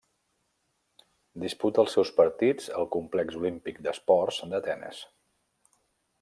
Disputa els seus partits al Complex Olímpic d'Esports d'Atenes.